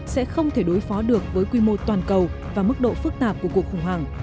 sẽ không thể đối phó được với quy mô toàn cầu và mức độ phức tạp của cuộc khủng hoảng